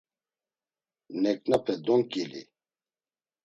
Neǩnape donǩili.